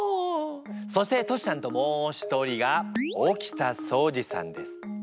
そしてトシちゃんともう一人が沖田総司さんです。